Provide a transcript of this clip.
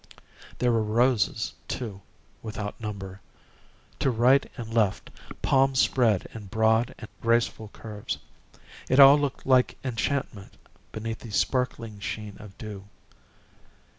There were roses, too, without number. To right and left palms spread in broad and graceful curves. It all looked like enchantment beneath the sparkling sheen of dew.